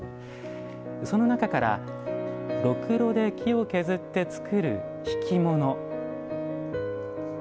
その中からろくろで木を削って作る挽物。